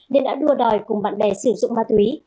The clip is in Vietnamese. nên đã đua đòi cùng bạn bè sử dụng ma túy